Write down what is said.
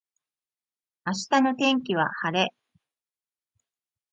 明日の天気は晴れ。